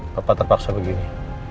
bapak terpaksa begini